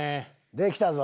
できたぞ。